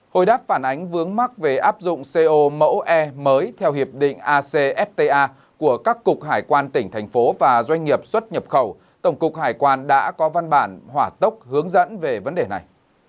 hồi đáp phản ánh vướng mắc về áp dụng co mẫu e mới theo hiệp định acfta của các cục hải quan tỉnh thành phố và doanh nghiệp xuất nhập khẩu tổng cục hải quan đã có văn bản hỏa tốc hướng dẫn về vấn đề này